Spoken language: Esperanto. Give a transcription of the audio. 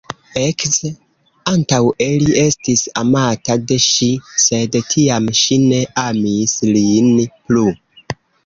Ekz: Antaŭe li estis amata de ŝi, sed tiam ŝi ne amis lin plu.